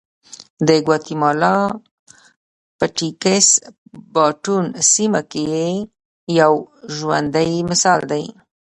د ګواتیمالا پټېکس باټون سیمه یې یو ژوندی مثال دی